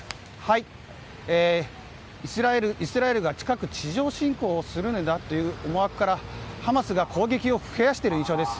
イスラエルが近く地上侵攻をするのだという思惑からハマスが攻撃を増やしている印象です。